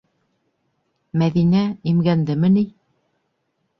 Мәҙинә... имгәндеме ни?